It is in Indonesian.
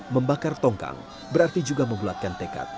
membakar tongkang berarti juga membulatkan tekad